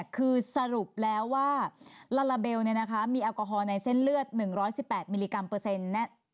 คือสรุปแล้วว่าลาลาเบลมีแอลกอฮอลในเส้นเลือด๑๑๘มิลลิกรัมเปอร์เซ็นต์